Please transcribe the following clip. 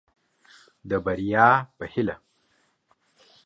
د بريا په هيله.